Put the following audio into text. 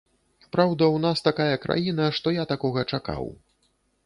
Праўда, у нас такая краіна, што я такога чакаў.